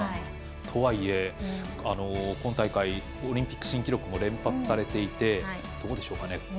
とはいえ、今大会オリンピック新記録も連発されていてどうでしょうかね。